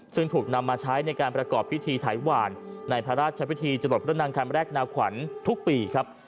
ซึ่งถูกนำมาใช้ในการประกอบพิธีถ่ายหวานในพระราชพิธีจรดพระนางคำแรกนาขวัญทุกปีครับ